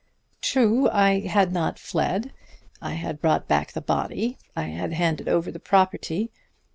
"True, I had not fled; I had brought back the body; I had handed over the property.